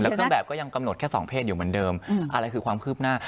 เครื่องแบบก็ยังกำหนดแค่สองเพศอยู่เหมือนเดิมอะไรคือความคืบหน้า